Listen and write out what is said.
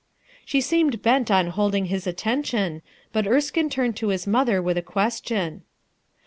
She seemed bent on holding his attention, but Erskine turned to his mother with a question.